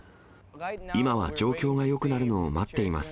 今は状況がよくなるのを待っています。